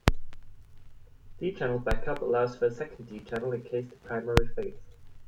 D-channel backup allows for a second D channel in case the primary fails.